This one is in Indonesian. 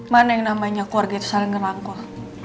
mana yang namanya keluarga itu saling ngerangkol